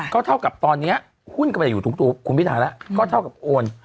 ก็เท่ากับตอนนี้หุ้นก็จะอยู่ทุกคุณพิทาระก็เท่ากับโอน